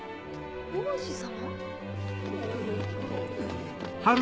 王子様？